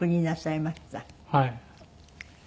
はい。